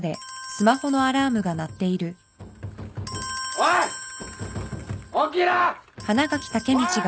・・・・おい！起きろ！